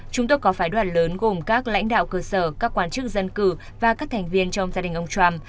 chúng tôi có phái đoàn lớn gồm các lãnh đạo cơ sở các quan chức dân cử và các thành viên trong gia đình ông trump